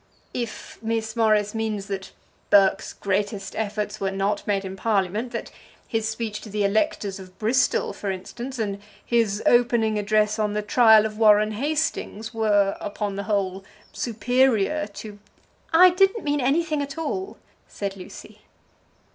"If Miss Morris means that Burke's greatest efforts were not made in Parliament, that his speech to the electors of Bristol, for instance, and his opening address on the trial of Warren Hastings, were, upon the whole, superior to " "I didn't mean anything at all," said Lucy.